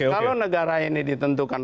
kalau negara ini ditentukan